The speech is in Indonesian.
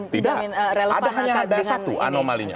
tidak ada hanya satu anomalinya